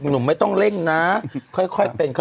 หนุ่มไม่ต้องเร่งนะค่อยเป็นค่อย